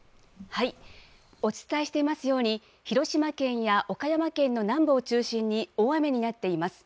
お伝えしていますように、広島県や岡山県の南部を中心に大雨になっています。